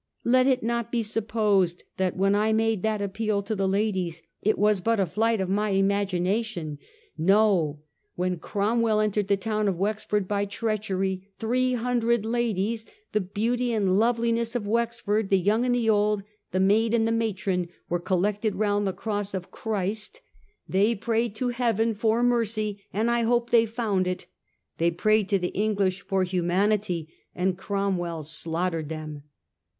Let it not be supposed that when I made that appeal to the ladies it was but 1843. RHETORICAL EXTRAVAGANCE. 280 a flight of my imagination. No ! when Cromwell entered the town of Wexford by treachery, three hundred ladies, the beauty and loveliness of Wexford, the young and the old, the maid and the matron, were collected round the Cross of Christ ; they prayed to heaven for mercy, and I hope they found it ; they prayed to the English for humanity, and Cromwell slaughtered them.